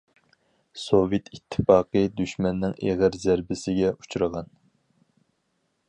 سوۋېت ئىتتىپاقى دۈشمەننىڭ ئېغىر زەربىسىگە ئۇچرىغان.